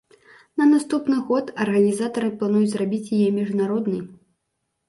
На наступны год арганізатары плануюць зрабіць яе міжнароднай.